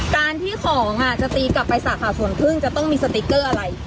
การที่ของจะตีกลับไปสาขาสวนพึ่งจะต้องมีสติ๊กเกอร์อะไร